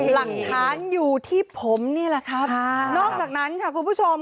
หลักฐานอยู่ที่ผมนี่แหละครับนอกจากนั้นค่ะคุณผู้ชม